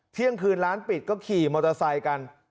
เที่ยงคืนร้านปิดก็ขี่มอเตอร์ไซค์กัน